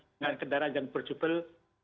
dengan kendaraan yang berjubel